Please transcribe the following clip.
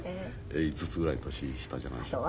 ５つぐらい年下じゃないでしょうか。